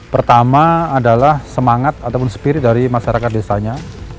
pertama adalah semangat ataupun spirit dari masyarakat desanya